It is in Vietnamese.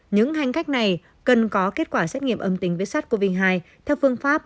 những hành khách này cần có kết quả xét nghiệm âm tính với sars cov hai theo phương pháp